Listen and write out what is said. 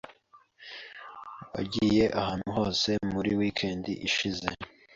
Wagiye ahantu hose muri weekend ishize?